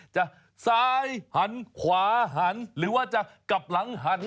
จะซ้ายหันขวาหันหรือว่าจะกลับหลังหัน